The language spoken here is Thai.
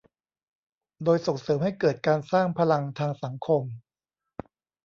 โดยส่งเสริมให้เกิดการสร้างพลังทางสังคม